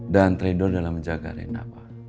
dan tridor dalam menjaga rena